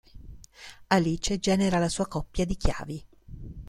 Alice genera la sua coppia di chiavi.